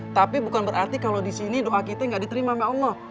tapi bukan berarti kalau disini doa kita gak diterima oleh allah